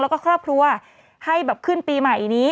แล้วก็ครอบครัวให้แบบขึ้นปีใหม่นี้